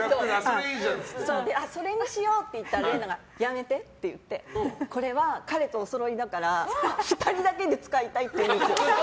それにしようって言ったらＲＥＩＮＡがやめてって言ってこれは彼とおそろいだから２人だけで使いたいって。